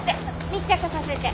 密着させて。